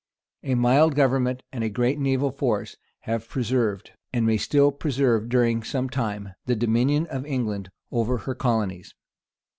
A mild government and great naval force have preserved, and may still preserve during some time, the dominion of England over her colonies.